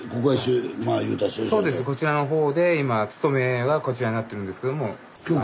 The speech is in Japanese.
こちらの方で今勤めがこちらになってるんですけども。